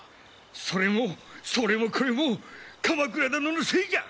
それもそれもこれも鎌倉殿のせいじゃ！